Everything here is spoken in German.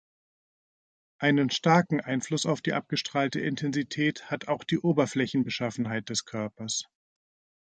Einen starken Einfluss auf die abgestrahlte Intensität hat auch die Oberflächenbeschaffenheit des Körpers.